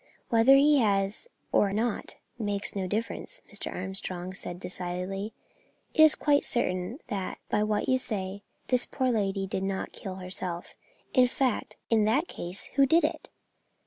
"Whether he has or not makes no difference," Mr. Armstrong said, decidedly. "It is quite certain, by what you say, this poor lady did not kill herself. In that case, who did it?